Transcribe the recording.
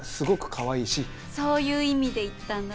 そういう意味で言ったんだ？